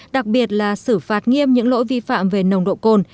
đặc biệt là xử phạt nghiêm những lỗi vi phạm về nồng độ cồn